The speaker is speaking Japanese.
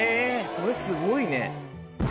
それすごいね。